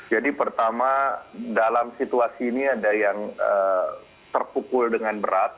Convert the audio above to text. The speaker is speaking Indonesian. jadi pertama dalam situasi ini ada yang terkukul dengan berat